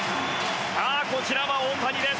さあこちらは大谷です。